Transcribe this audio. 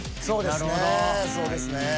そうですねそうですね。